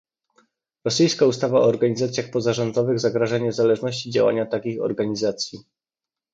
Rosyjska ustawa o organizacjach pozarządowych zagraża niezależności działania takich organizacji